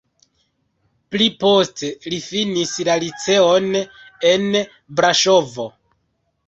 Pli poste li finis la liceon en Braŝovo.